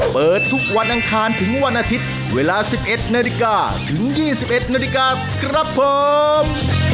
เปิดทุกวันอังคารถึงวันอาทิตย์เวลา๑๑นาฬิกาถึง๒๑นาฬิกาครับผม